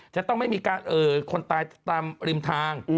จะต้องไม่มีคนตายตามริมทาง